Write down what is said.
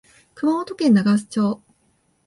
熊本県長洲町